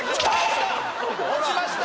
落ちました。